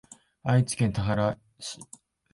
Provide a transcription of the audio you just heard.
愛知県田原市